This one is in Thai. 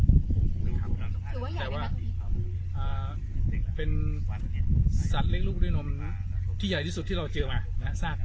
แต่ว่าเป็นฝันสัตว์เล็กลูกด้วยนมนะที่ใหญ่ที่สุดที่เราเจอมานะฮะ